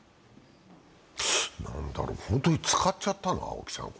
何だろう、本当に使っちゃったの？